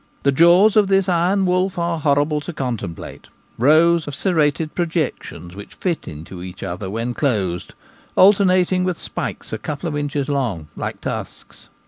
The jaws of this iron wolf are horrible to contemplate — rows of serrated projections, which fit into each other when closed, alternating with spikes a couple of inches long, like tusks.